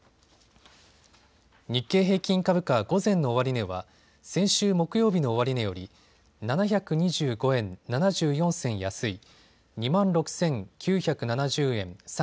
日経平均株価、午前の終値は先週木曜日の終値より７２５円７４銭安い２万６９７０円３４銭。